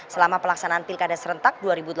selama pelaksanaan pilkada serentak dua ribu tujuh belas